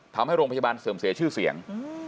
ทำให้โรงพยาบาลเสื่อมเสียชื่อเสียง